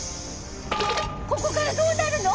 ここからどうなるの？